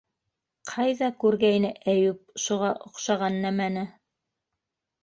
Ҡайҙа күргәйне Әйүп шуға оҡшаған нәмәне?